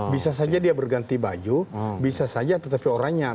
bisa saja dia berganti baju bisa saja tetapi oranya